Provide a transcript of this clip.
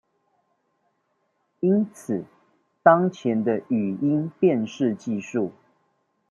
因此當前的語音辨識技術